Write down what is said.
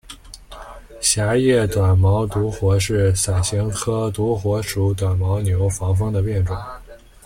狭叶短毛独活是伞形科独活属短毛牛防风的变种。